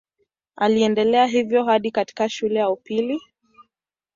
Aliendelea hivyo hadi katika shule ya upili.